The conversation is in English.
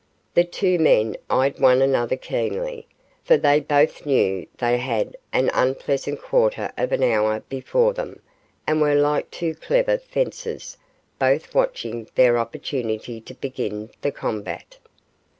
The two men eyed one another keenly, for they both knew they had an unpleasant quarter of an hour before them, and were like two clever fencers both watching their opportunity to begin the combat.